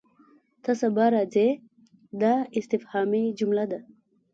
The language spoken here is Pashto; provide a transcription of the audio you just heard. ته سبا راځې؟ دا استفهامي جمله ده.